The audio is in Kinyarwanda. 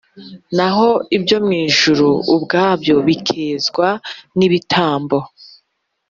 Naho ibyo mu ijuru ubwabyo bikezwa n ibitambo